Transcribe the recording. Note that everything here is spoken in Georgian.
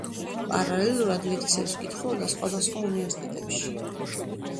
პარალელურად ლექციებს კითხულობდა სხვადასხვა უნივერსიტეტებში.